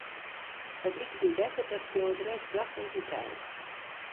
It liket my better dat ik jo adres dochs even krij.